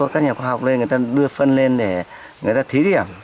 các nhà khoa học lên người ta đưa phân lên để người ta thí điểm